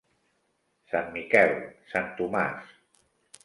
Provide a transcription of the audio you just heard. Sant Miquel, Sant Tomàs.